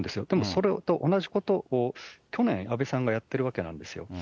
それと同じことを去年、安倍さんがやってるわけなんですよ。